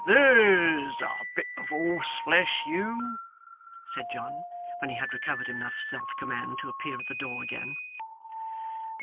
'There's a bit of horseflesh, Hugh!' said John, when he had recovered enough self command to appear at the door again.